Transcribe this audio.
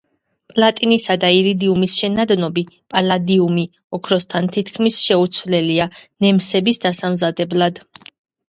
პლატინისა და ირიდიუმის შენადნობი, პალადიუმი ოქროსთან თითქმის შეუცვლელია ნემსების დასამზადებლად.